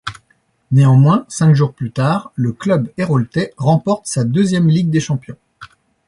Néanmoins, cinq jours plus tard, le club héraultais remporte sa deuxième Ligue des champions.